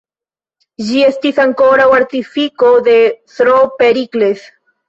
Ĝi estis ankoraŭ artifiko de S-ro Perikles.